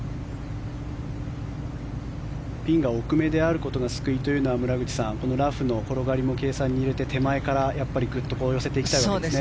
ピンが奥めであることが救いというのは村口さん、このラフの転がりも計算に入れて手前からグッと寄せていきたいわけですね。